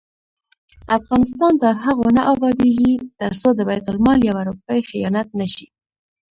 افغانستان تر هغو نه ابادیږي، ترڅو د بیت المال یوه روپۍ خیانت نشي.